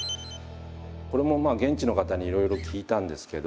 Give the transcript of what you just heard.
これも現地の方にいろいろ聞いたんですけど。